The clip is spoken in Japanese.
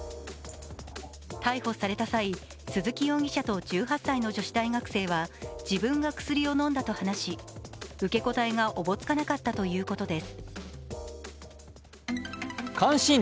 逮捕された際、鈴木容疑者と１８歳の女子大学生は自分が薬を飲んだと話し受け答えがおぼつかなかったということです。